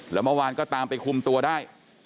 แล้วเมื่อวานก็ตามไปคุมตัวได้